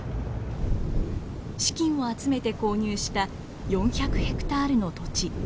資金を集めて購入した４００ヘクタールの土地。